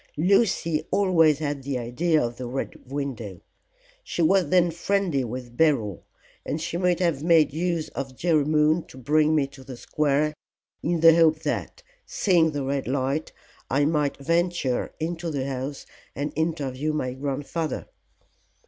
"Lucy always had the idea of the Red Window. She was then friendly with Beryl, and she might have made use of Jerry Moon to bring me to the square in the hope that, seeing the red light, I might venture into the house and interview my grandfather."